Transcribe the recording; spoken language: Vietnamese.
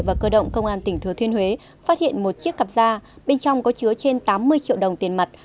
và cơ động công an tỉnh thừa thiên huế phát hiện một chiếc cặp gia bên trong có chứa trên tám mươi triệu đồng tiền mặt